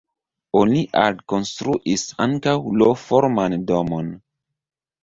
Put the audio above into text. Oni alkonstruis ankaŭ L-forman domon.